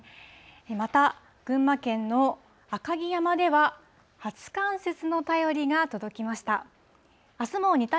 また、群馬県の赤城山では、初冠雪の便りが届きました。